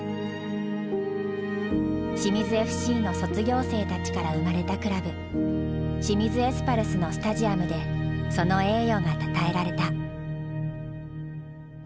清水ＦＣの卒業生たちから生まれたクラブ清水エスパルスのスタジアムでその栄誉がたたえられた。